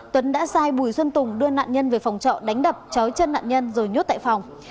tuấn đã sai bùi xuân tùng đưa nạn nhân về phòng trọ đánh đập chói chân nạn nhân rồi nhốt tại phòng